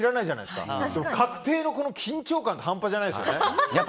でも確定の緊張感って半端じゃないですよね。